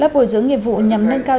lớp bồi dưỡng nghiệp vụ nhằm nâng cao